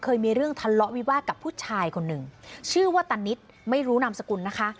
เคยมีเรื่องทะเลาะวิวาสกับผู้ชายคนหนึ่งชื่อว่าตานิดไม่รู้นามสกุลนะคะ